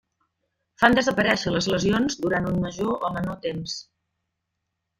Fan desaparèixer les lesions durant un major o menor temps.